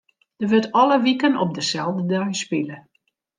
Der wurdt alle wiken op deselde dei spile.